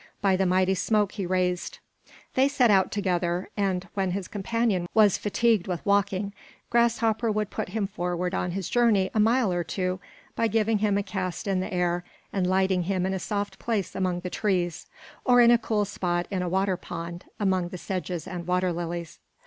by the mighty smoke he raised. They set out together, and when his companion was fatigued with walking, Grasshopper would put him forward on his journey a mile or two by giving him a cast in the air and lighting him in a soft place among the trees, or in a cool spot in a water pond, among the sedges and water lilies.